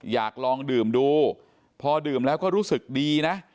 อยากลองดื่มดูพอดื่มแล้วก็รู้สึกดีนะ